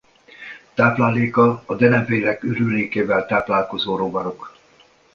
Tápláléka a denevérek ürülékével táplálkozó rovarok.